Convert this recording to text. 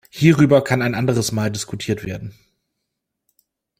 Hierüber kann ein anderes Mal diskutiert werden.